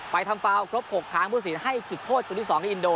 ไปทำฟาวครบ๖ทางผู้สินให้จุดโทษจุดที่๒ในอินโด